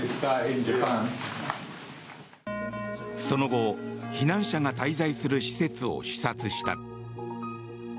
その後避難者が滞在する施設を視察した。